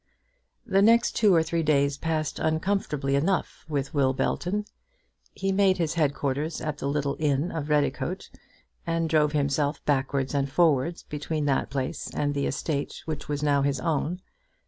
The next two or three days passed uncomfortably enough with Will Belton. He made his head quarters at the little inn of Redicote, and drove himself backwards and forwards between that place and the estate which was now his own.